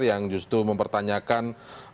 yang justru mempertanyakan